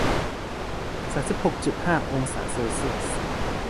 สามสิบหกจุดห้า องศาเซลเซียส